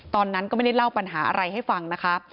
ตอนนั้นก็ไม่ได้เล่าปัญหาอะไรให้ฟังนะคะ